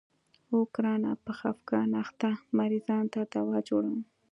اوو ګرانه په خفګان اخته مريضانو ته دوا جوړومه.